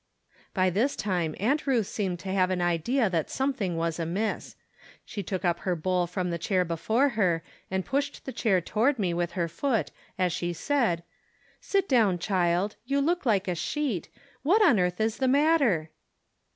By this time Aunt Ruth seemed to have an idea that something was amiss. She took up her bowl from the chair before her, and pushed the chair toward me with her foot, as she said :" Sit down, child ; you look like a sheet. What on earth is the matter